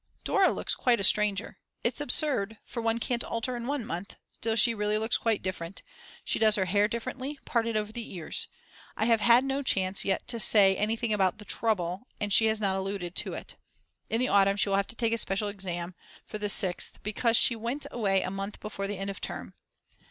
Dora looks quite a stranger. It's absurd, for one can't alter in 1 month, still, she really looks quite different; she does her hair differently, parted over the ears. I have had no chance yet to say anything about the "trouble," and she has not alluded to it. In the autumn she will have to have a special exam. for the Sixth because she went away a month before the end of term.